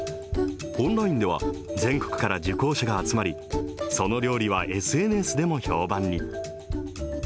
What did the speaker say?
オンラインでは、全国から受講者が集まり、その料理はＳＮＳでも評判に。